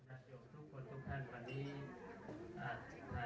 นัดโยงทุกคนทุกท่านวันนี้อาทิตย์การพันธุรกิจ